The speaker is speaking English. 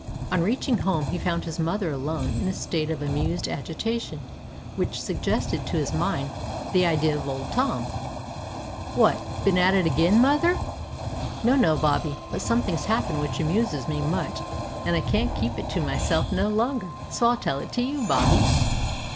On reaching home he found his mother alone in a state of amused agitation which suggested to his mind the idea of Old Tom. "Wot, bin at it again, mother?" "No, no, Bobby, but somethin's happened which amuses me much, an' I can't keep it to myself no longer, so I'll tell it to you, Bobby."